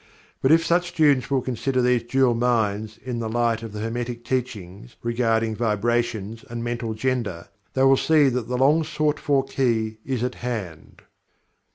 But if such students will consider these "dual minds" in the light of the Hermetic Teachings regarding Vibrations and Mental Gender, they will see that the long sought for key is at hand.